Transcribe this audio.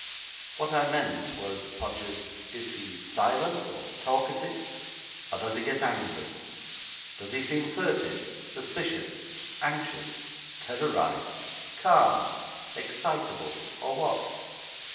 'What I meant was, Podgers, is he silent, or talkative, or does he get angry? Does he seem furtive, suspicious, anxious, terrorised, calm, excitable, or what?'